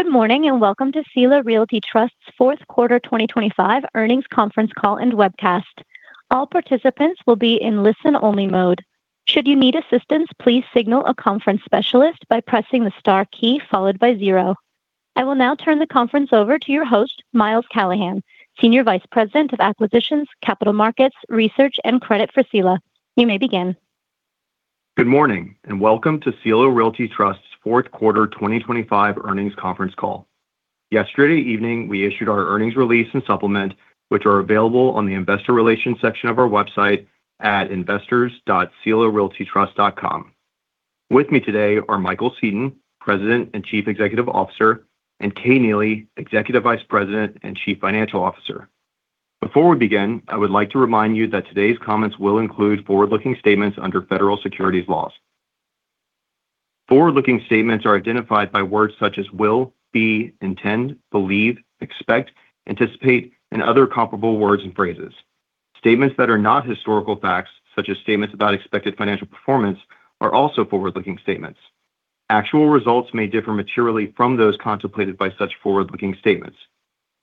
Good morning. Welcome to Sila Realty Trust's Q4 2025 Earnings Conference Call and Webcast. All participants will be in listen-only mode. Should you need assistance, please signal a conference specialist by pressing the star key followed by 0. I will now turn the conference over to your host, Miles Callahan, Senior Vice President of Acquisitions, Capital Markets, Research, and Credit for Sila. You may begin. Good morning, and welcome to Sila Realty Trust's Q4 2025 earnings conference call. Yesterday evening, we issued our earnings release and supplement, which are available on the investor relations section of our website at investors.silarealtytrust.com. With me today are Michael A. Seton, President and Chief Executive Officer, and Kay C. Neely, Executive Vice President and Chief Financial Officer. Before we begin, I would like to remind you that today's comments will include forward-looking statements under federal securities laws. Forward-looking statements are identified by words such as will, be, intend, believe, expect, anticipate, and other comparable words and phrases. Statements that are not historical facts, such as statements about expected financial performance, are also forward-looking statements. Actual results may differ materially from those contemplated by such forward-looking statements.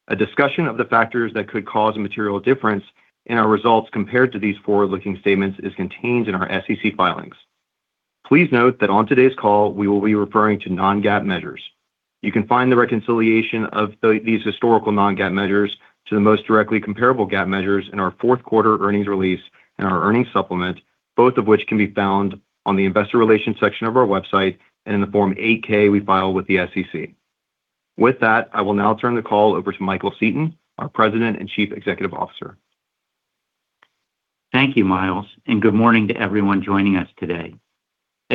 A discussion of the factors that could cause a material difference in our results compared to these forward-looking statements is contained in our SEC filings. Please note that on today's call, we will be referring to non-GAAP measures. You can find the reconciliation of these historical non-GAAP measures to the most directly comparable GAAP measures in our Q4 earnings release and our earnings supplement, both of which can be found on the Investor Relations section of our website and in the Form 8-K we file with the SEC. With that, I will now turn the call over to Michael Seton, our President and Chief Executive Officer. Thank you, Miles. Good morning to everyone joining us today.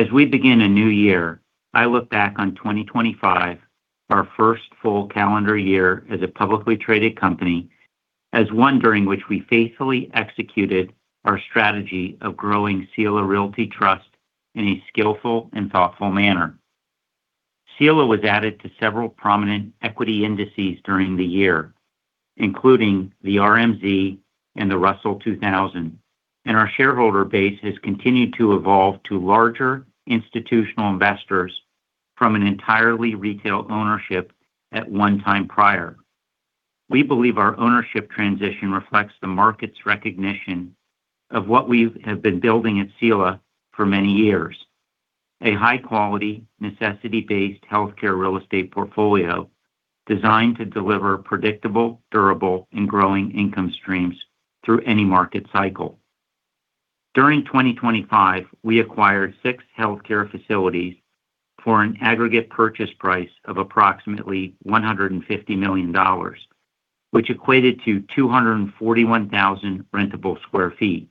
As we begin a new year, I look back on 2025, our first full calendar year as a publicly traded company, as one during which we faithfully executed our strategy of growing Sila Realty Trust in a skillful and thoughtful manner. Sila was added to several prominent equity indices during the year, including the RMZ and the Russell 2000. Our shareholder base has continued to evolve to larger institutional investors from an entirely retail ownership at one time prior. We believe our ownership transition reflects the market's recognition of what we have been building at Sila for many years: A high-quality, necessity-based healthcare real estate portfolio designed to deliver predictable, durable, and growing income streams through any market cycle. During 2025, we acquired 6 healthcare facilities for an aggregate purchase price of approximately $150 million, which equated to 241,000 sq ft.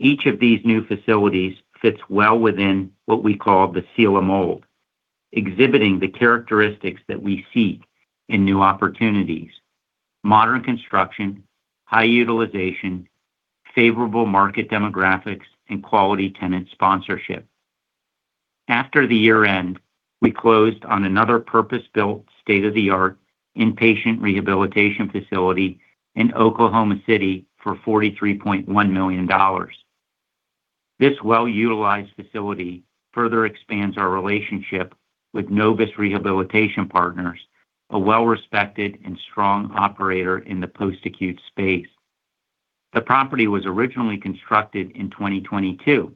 Each of these new facilities fits well within what we call the Sila mold, exhibiting the characteristics that we seek in new opportunities: modern construction, high utilization, favorable market demographics, and quality tenant sponsorship. After the year-end, we closed on another purpose-built, state-of-the-art inpatient rehabilitation facility in Oklahoma City for $43.1 million. This well-utilized facility further expands our relationship with Nobis Rehabilitation Partners, a well-respected and strong operator in the post-acute space. The property was originally constructed in 2022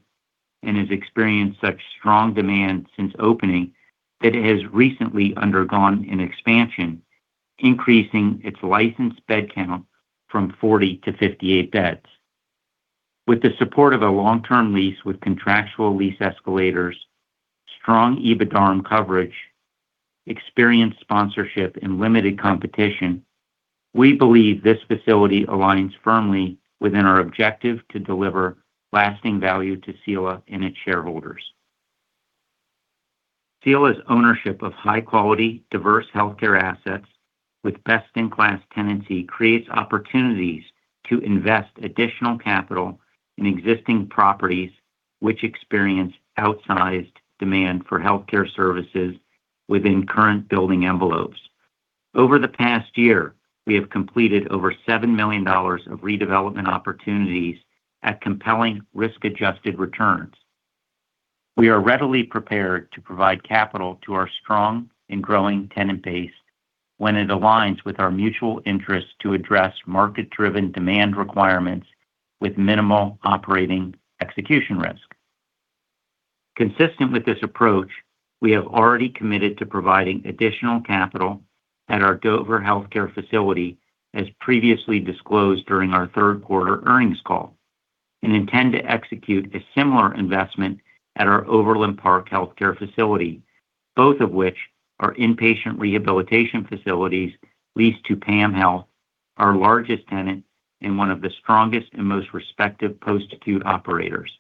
and has experienced such strong demand since opening that it has recently undergone an expansion, increasing its licensed bed count from 40 to 58 beds. With the support of a long-term lease with contractual lease escalators, strong EBITDARM coverage, experienced sponsorship, and limited competition, we believe this facility aligns firmly within our objective to deliver lasting value to Sila and its shareholders. Sila's ownership of high-quality, diverse healthcare assets with best-in-class tenancy creates opportunities to invest additional capital in existing properties, which experience outsized demand for healthcare services within current building envelopes. Over the past year, we have completed over $7 million of redevelopment opportunities at compelling risk-adjusted returns. We are readily prepared to provide capital to our strong and growing tenant base when it aligns with our mutual interest to address market-driven demand requirements with minimal operating execution risk. Consistent with this approach, we have already committed to providing additional capital at our Dover Healthcare facility, as previously disclosed during our Q3 Earnings Call, and intend to execute a similar investment at our Overland Park Healthcare facility, both of which are inpatient rehabilitation facilities leased to PAM Health, our largest tenant and one of the strongest and most respected post-acute operators.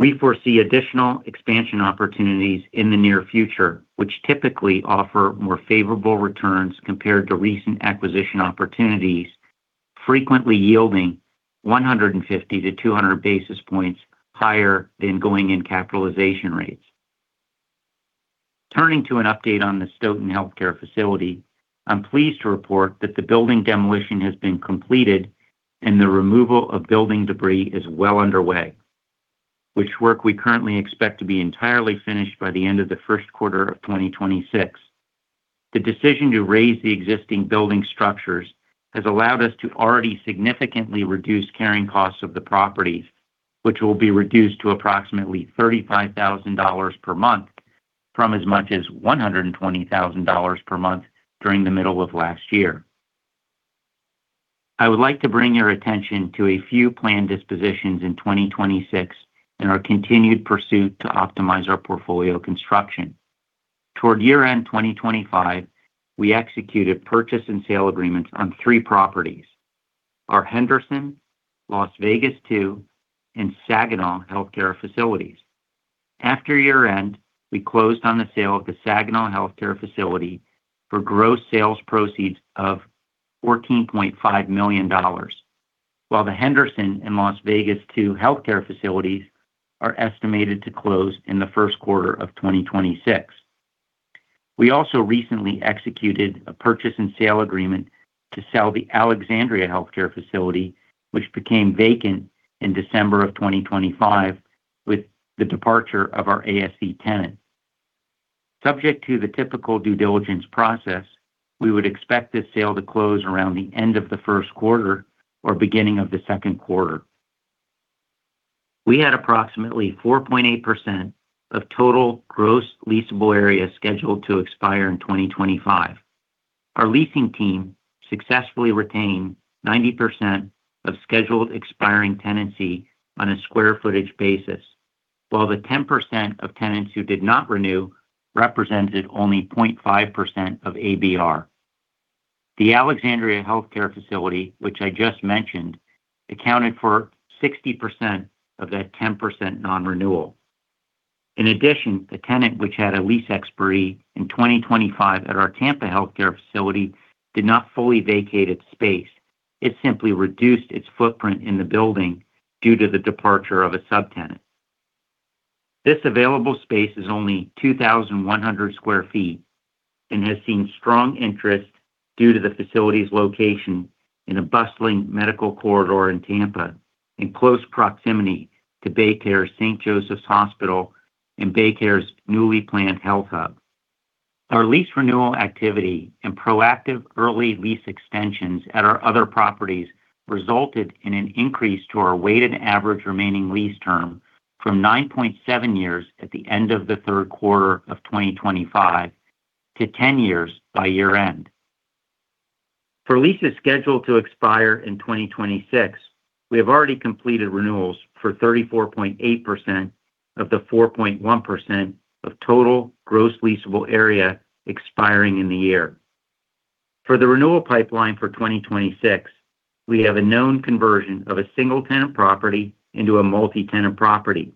We foresee additional expansion opportunities in the near future, which typically offer more favorable returns compared to recent acquisition opportunities, frequently yielding 150-200 basis points higher than going-in capitalization rates. Turning to an update on the Stoughton Healthcare facility, I'm pleased to report that the building demolition has been completed and the removal of building debris is well underway.... which work we currently expect to be entirely finished by the end of the Q1 of 2026. The decision to raise the existing building structures has allowed us to already significantly reduce carrying costs of the properties, which will be reduced to approximately $35,000 per month from as much as $120,000 per month during the middle of last year. I would like to bring your attention to a few planned dispositions in 2026 and our continued pursuit to optimize our portfolio construction. Toward year-end 2025, we executed purchase and sale agreements on three properties: our Henderson, Las Vegas Two, and Saginaw Healthcare facilities. After year-end, we closed on the sale of the Saginaw Healthcare facility for gross sales proceeds of $14.5 million, while the Henderson and Las Vegas Two healthcare facilities are estimated to close in the Q1 of 2026. We also recently executed a purchase and sale agreement to sell the Alexandria healthcare facility, which became vacant in December of 2025, with the departure of our ASE tenant. Subject to the typical due diligence process, we would expect this sale to close around the end of the Q1 or beginning of the Q2 We had approximately 4.8% of total gross leasable area scheduled to expire in 2025. Our leasing team successfully retained 90% of scheduled expiring tenancy on a square footage basis, while the 10% of tenants who did not renew represented only 0.5% of ABR. The Alexandria healthcare facility, which I just mentioned, accounted for 60% of that 10% non-renewal. The tenant, which had a lease expiry in 2025 at our Tampa healthcare facility, did not fully vacate its space. It simply reduced its footprint in the building due to the departure of a subtenant. This available space is only 2,100 sq ft and has seen strong interest due to the facility's location in a bustling medical corridor in Tampa, in close proximity to BayCare St. Joseph's Hospital and BayCare's newly planned health hub. Our lease renewal activity and proactive early lease extensions at our other properties resulted in an increase to our weighted average remaining lease term from 9.7 years at the end of the Q3 of 2025 to 10 years by year-end. For leases scheduled to expire in 2026, we have already completed renewals for 34.8% of the 4.1% of total gross leasable area expiring in the year. For the renewal pipeline for 2026, we have a known conversion of a single-tenant property into a multi-tenant property.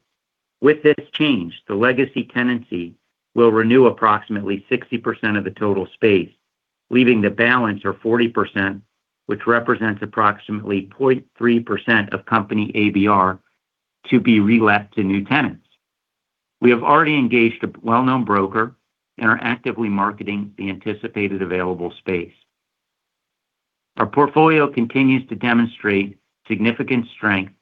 With this change, the legacy tenancy will renew approximately 60% of the total space, leaving the balance or 40%, which represents approximately 0.3% of company ABR, to be relet to new tenants. We have already engaged a well-known broker and are actively marketing the anticipated available space. Our portfolio continues to demonstrate significant strength,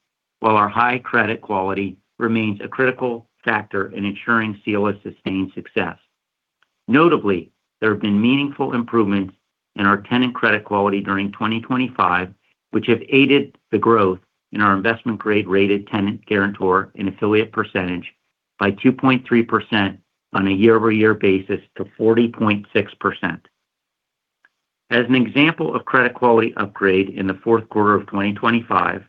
while our high credit quality remains a critical factor in ensuring Sila's sustained success. Notably, there have been meaningful improvements in our tenant credit quality during 2025, which have aided the growth in our investment grade rated tenant guarantor and affiliate percentage by 2.3% on a year-over-year basis to 40.6%. As an example of credit quality upgrade in the Q4 of 2025,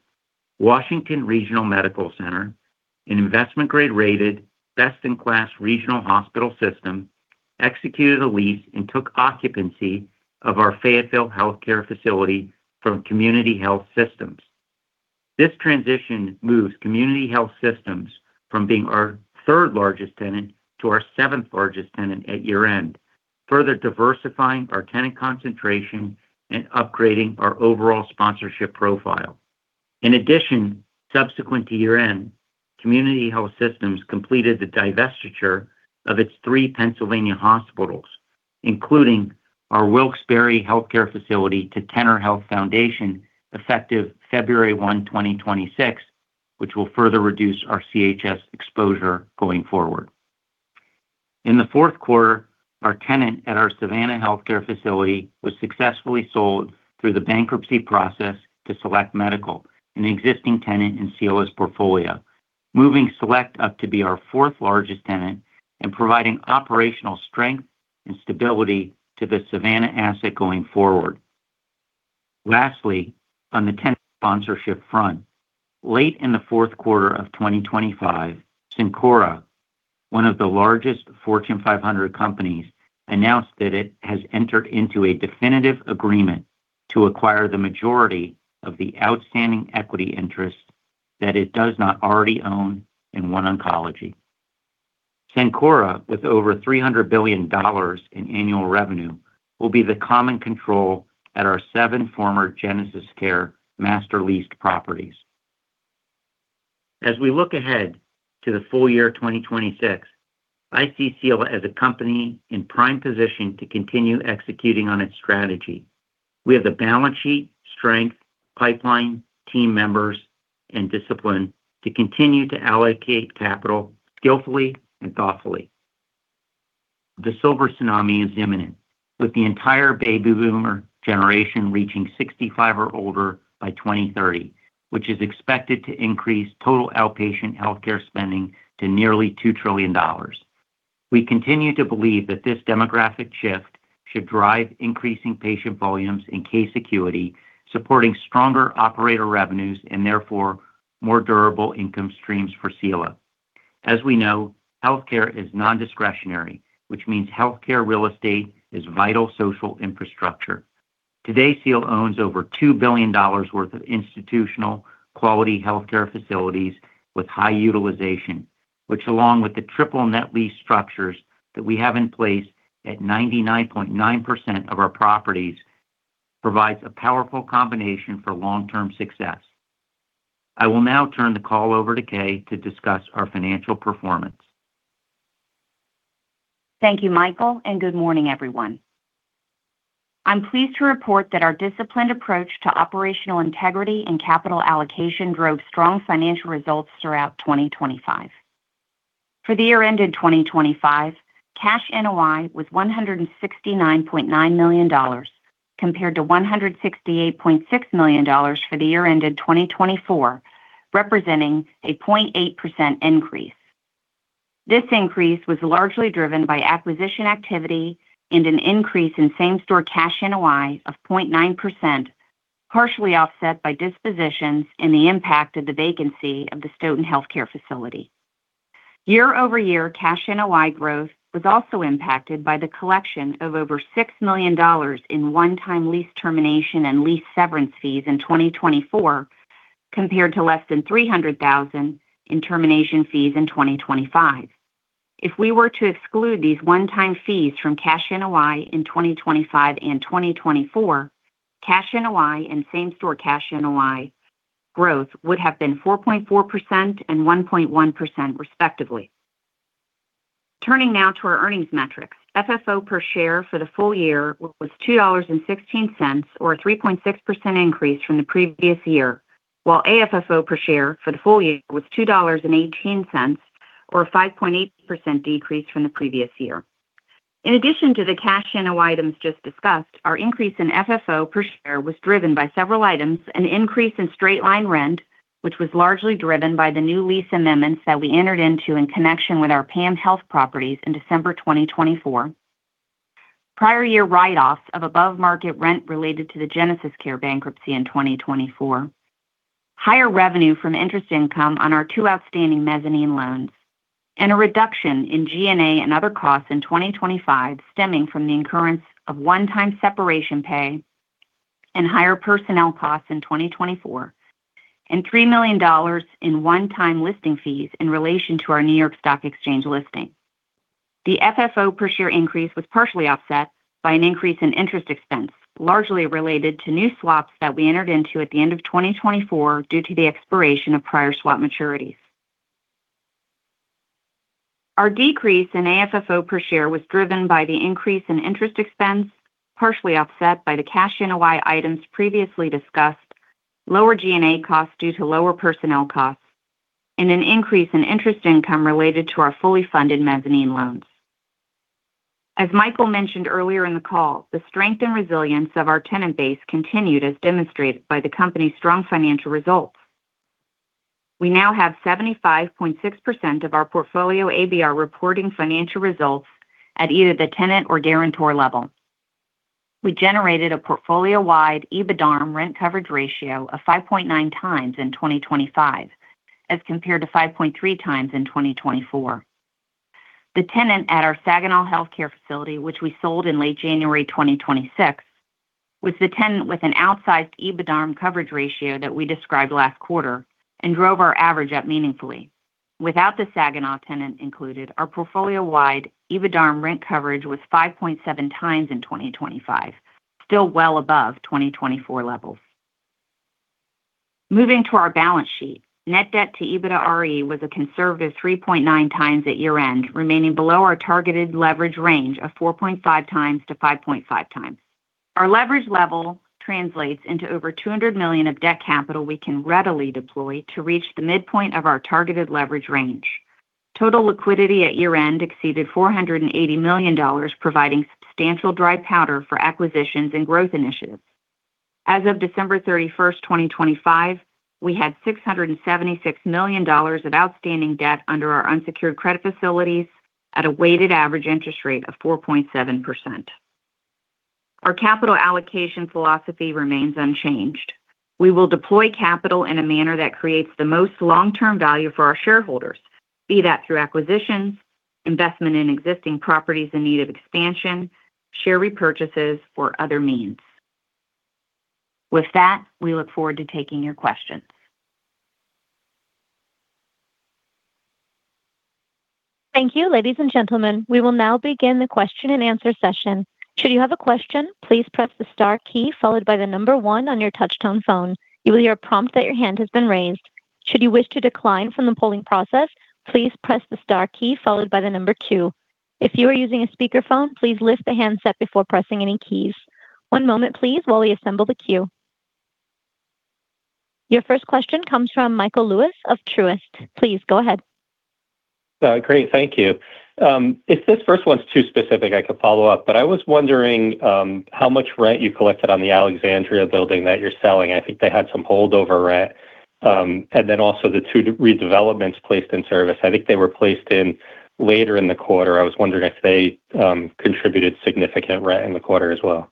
Washington Regional Medical Center, an investment grade rated best-in-class regional hospital system, executed a lease and took occupancy of our Fayetteville healthcare facility from Community Health Systems. This transition moves Community Health Systems from being our third largest tenant to our seventh largest tenant at year-end, further diversifying our tenant concentration and upgrading our overall sponsorship profile. In addition, subsequent to year-end, Community Health Systems completed the divestiture of its three Pennsylvania hospitals, including our Wilkes-Barre healthcare facility, to Tanner Health Foundation, effective February 1, 2026, which will further reduce our CHS exposure going forward. In the Q4, our tenant at our Savannah healthcare facility was successfully sold through the bankruptcy process to Select Medical, an existing tenant in CHS portfolio, moving Select up to be our fourth largest tenant and providing operational strength and stability to the Savannah asset going forward. Lastly, on the tenant sponsorship front, late in the Q4 of 2025, Cencora, one of the largest Fortune 500 companies, announced that it has entered into a definitive agreement to acquire the majority of the outstanding equity interest that it does not already own in OneOncology. Cencora, with over $300 billion in annual revenue, will be the common control at our seven former GenesisCare master leased properties. As we look ahead to the full year of 2026 I see Sila as a company in prime position to continue executing on its strategy. We have the balance sheet, strength, pipeline, team members, and discipline to continue to allocate capital skillfully and thoughtfully. The silver tsunami is imminent, with the entire baby boomer generation reaching 65 or older by 2030, which is expected to increase total outpatient healthcare spending to nearly $2 trillion. We continue to believe that this demographic shift should drive increasing patient volumes and case acuity, supporting stronger operator revenues and therefore more durable income streams for Sila. As we know, healthcare is non-discretionary, which means healthcare real estate is vital social infrastructure. Today, Sila owns over $2 billion worth of institutional quality healthcare facilities with high utilization, which, along with the triple net lease structures that we have in place at 99.9% of our properties, provides a powerful combination for long-term success. I will now turn the call over to Kay to discuss our financial performance. Thank you, Michael. Good morning, everyone. I'm pleased to report that our disciplined approach to operational integrity and capital allocation drove strong financial results throughout 2025. For the year ended 2025, cash NOI was $169.9 million, compared to $168.6 million for the year ended 2024, representing a 0.8% increase. This increase was largely driven by acquisition activity and an increase in same-store cash NOI of 0.9%, partially offset by dispositions and the impact of the vacancy of the Stoughton Healthcare facility. Year-over-year cash NOI growth was also impacted by the collection of over $6 million in one-time lease termination and lease severance fees in 2024, compared to less than $300,000 in termination fees in 2025. If we were to exclude these one-time fees from cash NOI in 2025 and 2024, cash NOI and same-store cash NOI growth would have been 4.4% and 1.1% respectively. Turning now to our earnings metrics. FFO per share for the full year was $2.16, or a 3.6% increase from the previous year, while AFFO per share for the full year was $2.18, or a 5.8% decrease from the previous year. In addition to the cash NOI items just discussed, our increase in FFO per share was driven by several items: an increase in straight-line rent, which was largely driven by the new lease amendments that we entered into in connection with our PAM Health properties in December 2024. Prior year write-offs of above-market rent related to the GenesisCare bankruptcy in 2024. Higher revenue from interest income on our two outstanding mezzanine loans, a reduction in G&A and other costs in 2025, stemming from the incurrence of one-time separation pay and higher personnel costs in 2024, and $3 million in one-time listing fees in relation to our New York Stock Exchange listing. The FFO per share increase was partially offset by an increase in interest expense, largely related to new swaps that we entered into at the end of 2024 due to the expiration of prior swap maturities. Our decrease in AFFO per share was driven by the increase in interest expense, partially offset by the cash NOI items previously discussed, lower G&A costs due to lower personnel costs, and an increase in interest income related to our fully funded mezzanine loans. As Michael A. Seton mentioned earlier in the call, the strength and resilience of our tenant base continued, as demonstrated by the company's strong financial results. We now have 75.6% of our portfolio ABR reporting financial results at either the tenant or guarantor level. We generated a portfolio-wide EBITDARM rent coverage ratio of 5.9x in 2025, as compared to 5.3x in 2024. The tenant at our Saginaw Healthcare facility, which we sold in late January 2026, was the tenant with an outsized EBITDARM coverage ratio that we described last quarter and drove our average up meaningfully. Without the Saginaw tenant included, our portfolio-wide EBITDARM rent coverage was 5.7x in 2025, still well above 2024 levels. Moving to our balance sheet, net debt to EBITDAre was a conservative 3.9 times at year-end, remaining below our targeted leverage range of 4.5 times-5.5 times. Our leverage level translates into over $200 million of debt capital we can readily deploy to reach the midpoint of our targeted leverage range. Total liquidity at year-end exceeded $480 million, providing substantial dry powder for acquisitions and growth initiatives. As of December 31, 2025, we had $676 million of outstanding debt under our unsecured credit facilities at a weighted average interest rate of 4.7%. Our capital allocation philosophy remains unchanged. We will deploy capital in a manner that creates the most long-term value for our shareholders, be that through acquisitions, investment in existing properties in need of expansion, share repurchases or other means. With that, we look forward to taking your questions. Thank you, ladies and gentlemen. We will now begin the question-and-answer session. Should you have a question, please press the star key, followed by the number 1 on your touchtone phone. You will hear a prompt that your hand has been raised. Should you wish to decline from the polling process, please press the star key, followed by the number 2. If you are using a speakerphone, please lift the handset before pressing any keys. One moment, please, while we assemble the queue. Your first question comes from Michael Lewis of Truist. Please go ahead. Great. Thank you. If this first one's too specific, I could follow up, but I was wondering how much rent you collected on the Alexandria building that you're selling. I think they had some holdover rent, also the two redevelopments placed in service. I think they were placed in later in the quarter. I was wondering if they contributed significant rent in the quarter as well.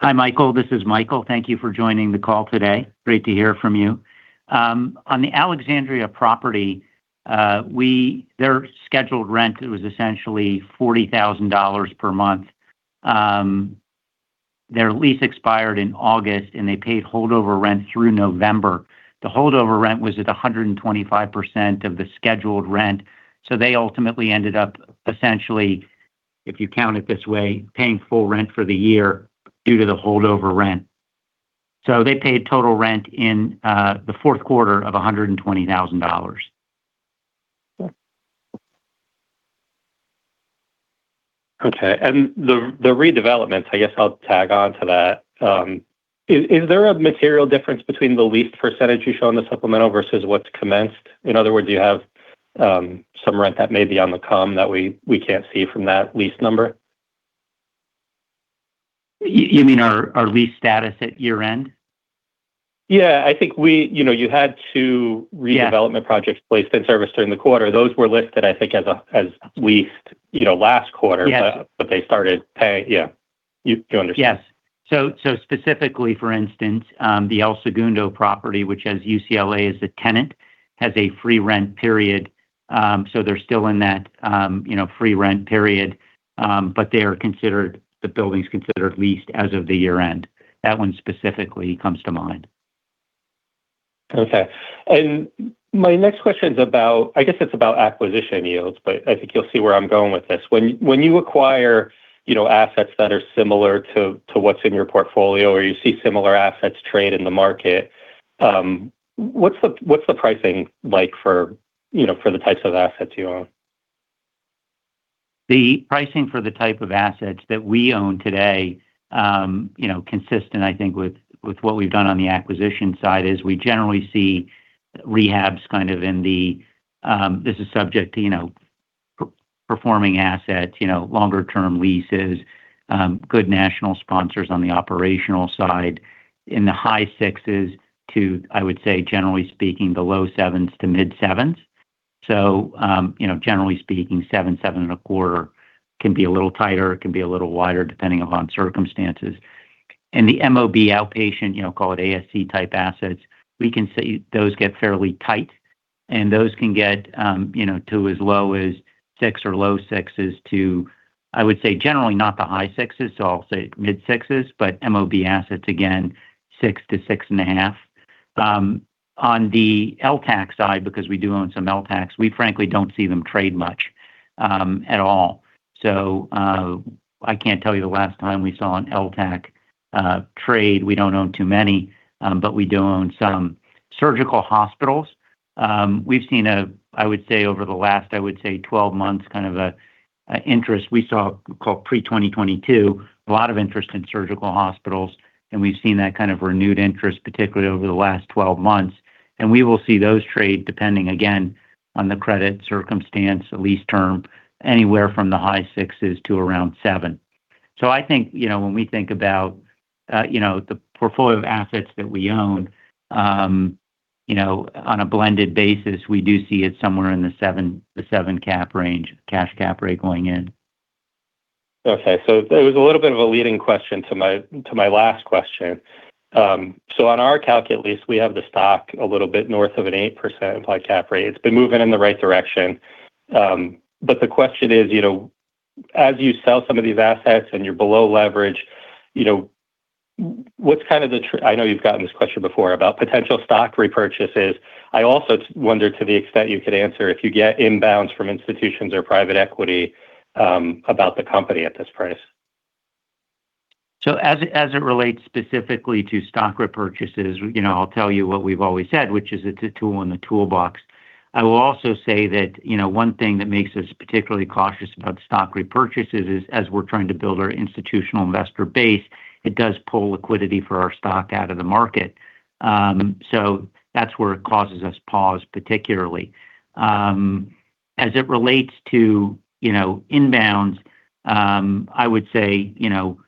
Hi, Michael. This is Michael. Thank you for joining the call today. Great to hear from you. On the Alexandria property, their scheduled rent, it was essentially $40,000 per month. Their lease expired in August, and they paid holdover rent through November. The holdover rent was at 125% of the scheduled rent. They ultimately ended up, essentially, if you count it this way, paying full rent for the year due to the holdover rent. They paid total rent in the Q4 of $120,000. The redevelopments, I guess I'll tag on to that. Is there a material difference between the leased % you show on the supplemental versus what's commenced? In other words, do you have some rent that may be on the come that we can't see from that lease number? You mean our lease status at year-end? Yeah, I think you know, you had two-. Yeah redevelopment projects placed in service during the quarter. Those were listed, I think, as leased, you know, last quarter. Yes They started. Yeah, you understand. Yes. Specifically, for instance, the El Segundo property, which has UCLA as the tenant, has a free rent period. They're still in that, you know, free rent period, the building's considered leased as of the year-end. That one specifically comes to mind. Okay. My next question's about-- I guess it's about acquisition yields, but I think you'll see where I'm going with this. When you acquire, you know, assets that are similar to what's in your portfolio or you see similar assets trade in the market, what's the pricing like for, you know, for the types of assets you own? The pricing for the type of assets that we own today, you know, consistent, I think, with what we've done on the acquisition side, is we generally see rehabs kind of in the. This is subject to, you know, performing assets, you know, longer-term leases, good national sponsors on the operational side, in the high 6s to, I would say, generally speaking, the low 7s to mid 7s. You know, generally speaking, 7 and a quarter can be a little tighter, it can be a little wider, depending upon circumstances. The MOB outpatient, you know, call it ASC-type assets, we can say those get fairly tight, and those can get, you know, to as low as 6 or low 6s to, I would say, generally not the high 6s, so I'll say mid 6s, but MOB assets, again, 6 to 6 and a half. On the LTAC side, because we do own some LTACs, we frankly don't see them trade much at all. I can't tell you the last time we saw an LTAC trade. We don't own too many, but we do own some surgical hospitals. We've seen a, I would say, over the last, I would say, 12 months, kind of a, an interest. We saw, call it pre-2022, a lot of interest in surgical hospitals, and we've seen that kind of renewed interest, particularly over the last 12 months. We will see those trade, depending, again, on the credit circumstance, the lease term, anywhere from the high 6s to around 7. I think, you know, when we think about, you know, the portfolio of assets that we own, you know, on a blended basis, we do see it somewhere in the 7, the 7 cap rate, cash cap rate going in. Okay. It was a little bit of a leading question to my, to my last question. On our calc, at least, we have the stock a little bit north of an 8% implied cap rate. It's been moving in the right direction. The question is, you know, as you sell some of these assets and you're below leverage, you know, what's kind of the I know you've gotten this question before about potential stock repurchases. I also wonder, to the extent you could answer, if you get inbounds from institutions or private equity, about the company at this price. As it relates specifically to stock repurchases, you know, I'll tell you what we've always said, which is it's a tool in the toolbox. I will also say that, you know, one thing that makes us particularly cautious about stock repurchases is, as we're trying to build our institutional investor base, it does pull liquidity for our stock out of the market. That's where it causes us pause, particularly. As it relates to, you know, inbounds, I would say, you know,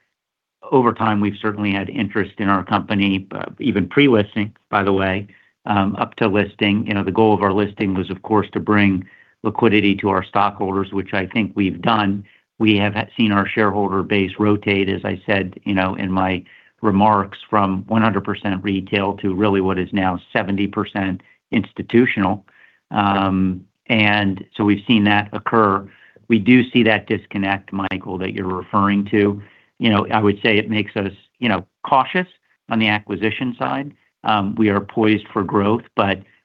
over time, we've certainly had interest in our company, but even pre-listing, by the way, up to listing. You know, the goal of our listing was, of course, to bring liquidity to our stockholders, which I think we've done. We have seen our shareholder base rotate, as I said, you know, in my remarks, from 100% retail to really what is now 70% institutional. We've seen that occur. We do see that disconnect, Michael, that you're referring to. You know, I would say it makes us, you know, cautious on the acquisition side. We are poised for growth.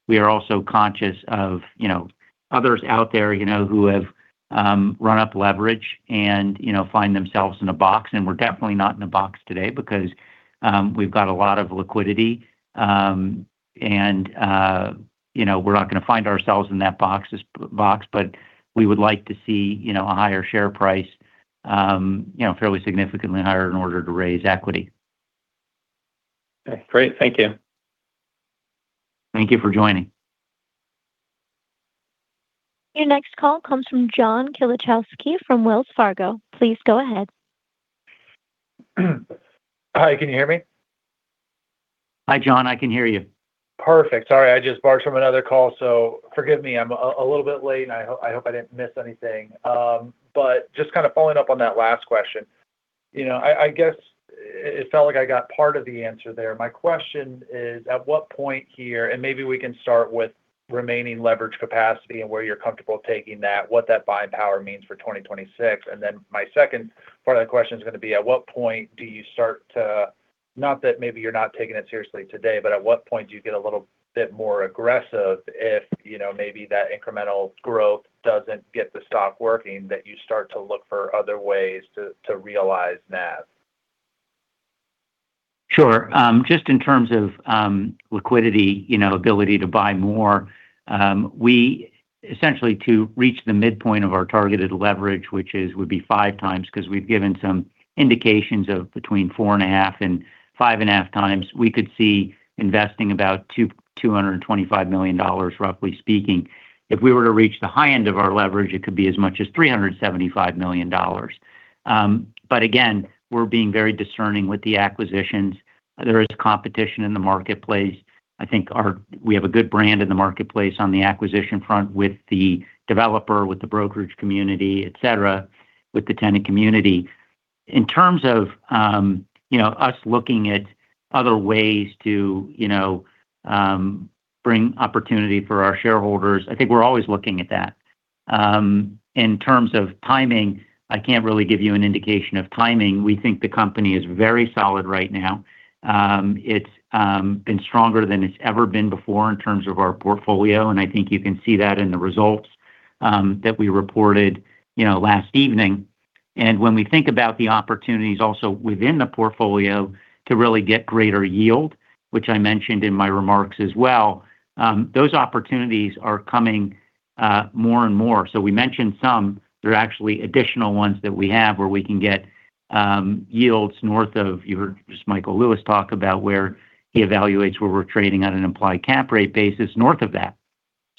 We are also conscious of others out there, you know, who have run up leverage and, you know, find themselves in a box. We're definitely not in a box today because we've got a lot of liquidity. You know, we're not gonna find ourselves in this box. We would like to see, you know, a higher share price, you know, fairly significantly higher in order to raise equity. Okay, great. Thank you. Thank you for joining. Your next call comes from John Pawlowski from Wells Fargo. Please go ahead. Hi, can you hear me? Hi, John, I can hear you. Perfect. Sorry, I just barged from another call, so forgive me, I'm a little bit late, and I hope I didn't miss anything. Just kind of following up on that last question. You know, I guess it felt like I got part of the answer there. My question is, at what point here, and maybe we can start with remaining leverage capacity and where you're comfortable taking that, what that buying power means for 2026? My second part of the question is gonna be, at what point do you start to, not that maybe you're not taking it seriously today, but at what point do you get a little bit more aggressive if, you know, maybe that incremental growth doesn't get the stock working, that you start to look for other ways to realize that? Sure. Just in terms of liquidity, you know, ability to buy more, essentially, to reach the midpoint of our targeted leverage, which would be 5 times, 'cause we've given some indications of between 4.5 and 5.5 times, we could see investing about $225 million, roughly speaking. If we were to reach the high end of our leverage, it could be as much as $375 million. Again, we're being very discerning with the acquisitions. There is competition in the marketplace. I think we have a good brand in the marketplace on the acquisition front with the developer, with the brokerage community, et cetera, with the tenant community. In terms of, you know, us looking at other ways to, you know, bring opportunity for our shareholders, I think we're always looking at that. In terms of timing, I can't really give you an indication of timing. We think the company is very solid right now. It's been stronger than it's ever been before in terms of our portfolio, and I think you can see that in the results, that we reported, you know, last evening. When we think about the opportunities also within the portfolio to really get greater yield, which I mentioned in my remarks as well, those opportunities are coming, more and more. We mentioned some. There are actually additional ones that we have where we can get, yields north of... You heard just Michael Lewis talk about where he evaluates where we're trading at an implied cap rate basis north of that.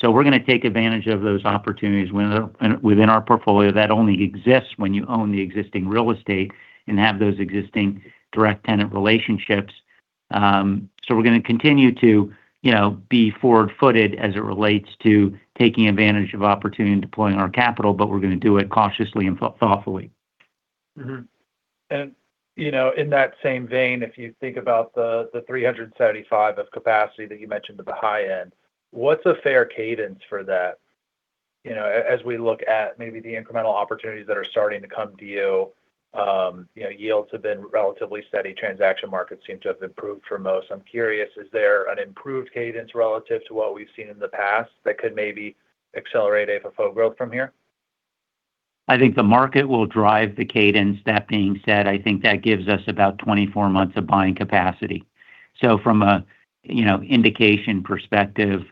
We're gonna take advantage of those opportunities within our portfolio. That only exists when you own the existing real estate and have those existing direct tenant relationships. We're gonna continue to, you know, be forward-footed as it relates to taking advantage of opportunity and deploying our capital, but we're gonna do it cautiously and thoughtfully. You know, in that same vein, if you think about the 375 of capacity that you mentioned at the high end, what's a fair cadence for that? You know, as we look at maybe the incremental opportunities that are starting to come to you know, yields have been relatively steady. Transaction markets seem to have improved for most. I'm curious, is there an improved cadence relative to what we've seen in the past that could maybe accelerate AFFO growth from here? I think the market will drive the cadence. That being said, I think that gives us about 24 months of buying capacity. From a, you know, indication perspective,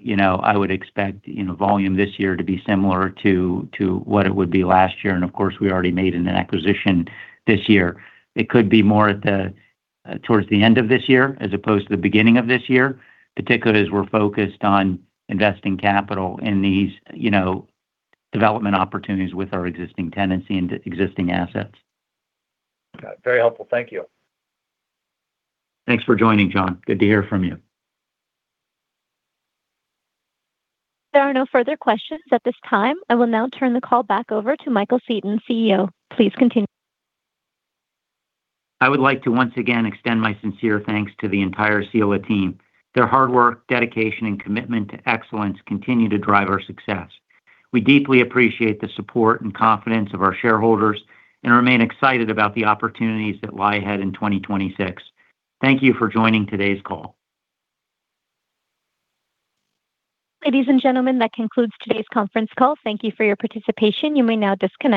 you know, I would expect, you know, volume this year to be similar to what it would be last year. Of course, we already made an acquisition this year. It could be more at the towards the end of this year as opposed to the beginning of this year, particularly as we're focused on investing capital in these, you know, development opportunities with our existing tenancy and existing assets. Got it. Very helpful. Thank you. Thanks for joining, John. Good to hear from you. There are no further questions at this time. I will now turn the call back over to Michael A. Seton, CEO. Please continue. I would like to once again extend my sincere thanks to the entire Sila team. Their hard work, dedication, and commitment to excellence continue to drive our success. We deeply appreciate the support and confidence of our shareholders and remain excited about the opportunities that lie ahead in 2026. Thank you for joining today's call. Ladies and gentlemen, that concludes today's conference call. Thank you for your participation. You may now disconnect.